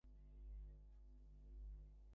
আমার ভয় হয় পাছে ঠিকটি তোমার কাছে বলা না হয়।